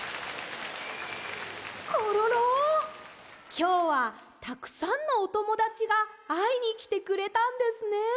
きょうはたくさんのおともだちがあいにきてくれたんですね。